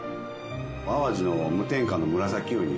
淡路の無添加のムラサキウニ。